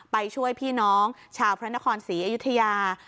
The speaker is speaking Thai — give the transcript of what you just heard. ไปช่วยพี่น้องชาวพระนครศรีอยุธยา